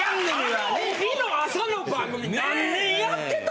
あの帯の朝の番組何年やってた？